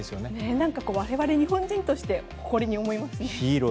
何か我々、日本人として誇りに思いますね。